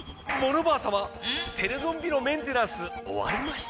テレゾンビのメンテナンスおわりました。